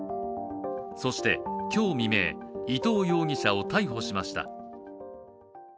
そして今日未明、伊藤容疑者を逮捕しました。